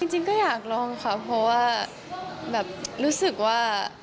จริงก็อยากลองค่ะเพราะว่าแบบรู้สึกว่า